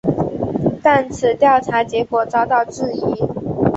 但此调查结果遭到质疑。